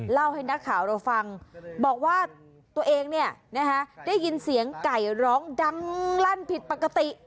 เล่าให้นักข่าวเราฟังบอกว่าตัวเองได้ยินเสียงไก่ร้องดังลั่นผิดปกติ